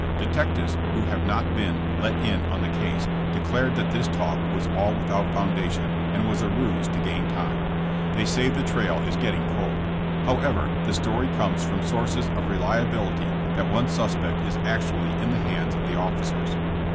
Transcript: Detectives who have not been ^'let in" on the case declared that this talk was all without foundation and was a ruse to gain time. They say the trail is getting cold. However, the story comes 122 JESSE JAMES. from sources of reliability that one suspect is actu ally in the hands of the officers.